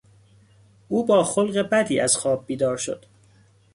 او با خلق بدی از خواب بیدار شد.